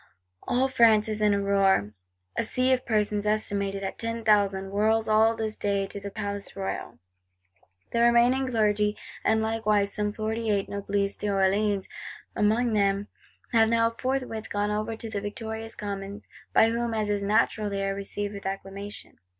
All France is in a roar; a sea of persons, estimated at "ten thousand," whirls "all this day in the Palais Royal." The remaining Clergy, and likewise some Forty eight Noblesse, D'Orléans among them, have now forthwith gone over to the victorious Commons; by whom, as is natural, they are received "with acclamation."